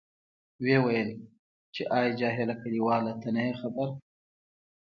ویې ویل، چې آی جاهله کلیواله ته نه یې خبر.